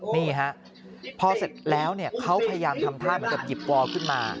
นี่ฮะพอเสร็จแล้วเขาพยายามทำท่าเหมือนกับหยิบวอลขึ้นมา